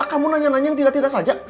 kamu nanya nanya yang tidak tidak saja